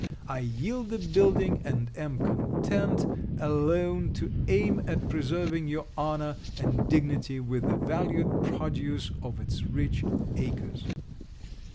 I yield the building, and am content alone to aim at preserving your honour and dignity with the valued produce of its rich acres.